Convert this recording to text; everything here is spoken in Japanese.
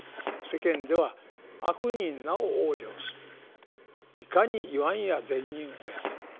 世間では「悪人なを往生すいかにいはんや善人をやと」。